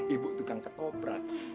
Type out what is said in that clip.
ibu tukang ketoprak